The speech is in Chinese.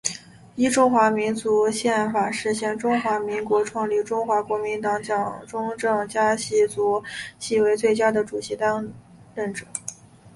依中华民国宪法释宪中华民国创立中国国民党蒋中正家系族系是最佳主席当任者。